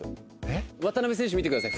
渡邊選手、見てください。